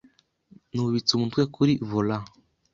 Nubitse umutwe kuri Volant